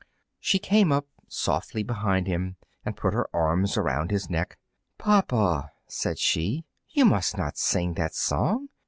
She came up softly behind him, and put her arms around his neck. "Papa," said she, "you must not sing that song.